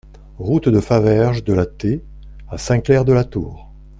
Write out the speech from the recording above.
Route de Faverges de la T à Saint-Clair-de-la-Tour